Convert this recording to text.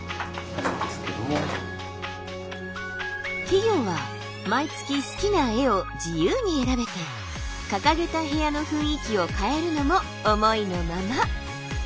企業は毎月好きな絵を自由に選べて掲げた部屋の雰囲気を変えるのも思いのまま。